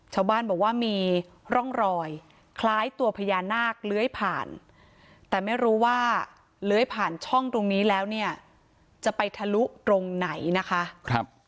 ชาวบ้านบอกว่ามีร่องรอยคล้ายตัวพญานาคเลื้อยผ่านแต่ไม่รู้ว่าเลื้อยผ่านช่องตรงนี้แล้วเนี่ยจะไปทะลุตรงไหนนะคะ